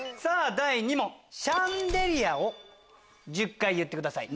第２問「シャンデリア」を１０回言ってください。